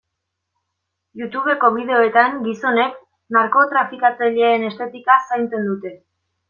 Youtubeko bideoetan gizonek narkotrafikatzaileen estetika zaintzen dute.